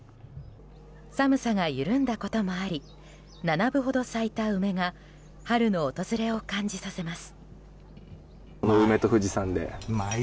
寒さが緩んだこともあり七分ほど咲いた梅が春の訪れを感じさせます。